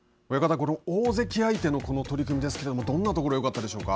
この大関相手のこの取組ですけれどもどんなところがよかったでしょうか。